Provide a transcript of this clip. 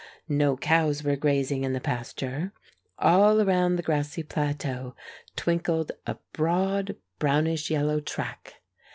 No cows were grazing in the pasture. All around the grassy plateau twinkled a broad brownish yellow track.